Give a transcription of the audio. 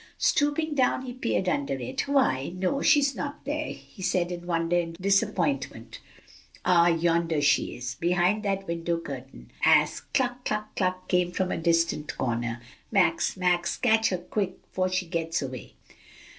Stooping down he peeped under it. "Why, no, she's not there!" he said in wonder and disappointment. "Ah, yonder she is! behind that window curtain," as "cluck, cluck cluck," came from a distant corner. "Max, Max, catch her quick, 'fore she gets away!"